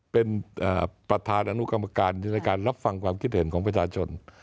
เป็นประธานอนุกรรมการในการรับฟังความคิดเห็นของประชาชน